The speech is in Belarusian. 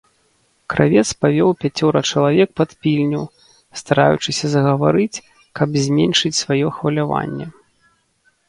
Кравец павёў пяцёра чалавек пад пільню, стараючыся загаварыць, каб зменшыць сваё хваляванне.